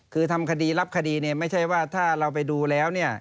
คือทำคดีรับคดีไม่ใช่ว่าถ้าเราไปดูแล้ว